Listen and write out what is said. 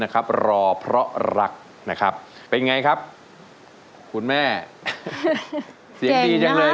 รักแต่พี่ด้วยใจเดียวรักแต่พี่ด้วยใจเดียว